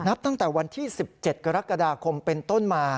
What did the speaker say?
ตั้งแต่วันที่๑๗กรกฎาคมเป็นต้นมา